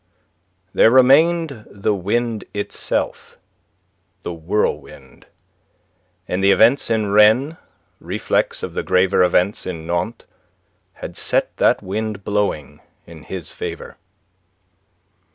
There remained the wind itself the whirlwind. And the events in Rennes, reflex of the graver events in Nantes, had set that wind blowing in his favour.